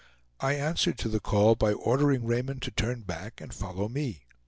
I answered to the call by ordering Raymond to turn back and follow me.